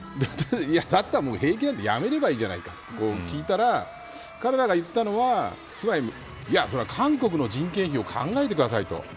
だったらもう兵役なんてやめればいいじゃないかと聞いたら彼らが言ったのはそれは韓国の人件費を考えてくださいと。